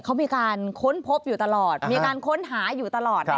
เขามีการค้นพบอยู่ตลอดมีการค้นหาอยู่ตลอด